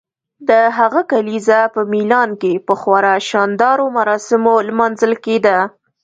د هغه کلیزه په میلان کې په خورا شاندارو مراسمو لمانځل کیده.